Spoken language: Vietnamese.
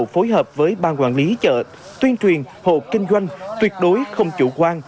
phối hợp với ban quản lý chợ tuyên truyền hộ kinh doanh tuyệt đối không chủ quan